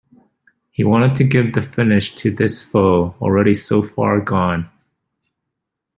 He wanted to give the finish to this foe already so far gone.